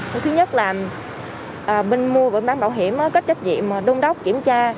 thứ nhất là mình mua bảo hiểm có trách nhiệm đông đốc kiểm tra